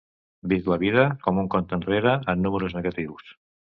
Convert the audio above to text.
Visc la vida com un compte enrere en números negatius.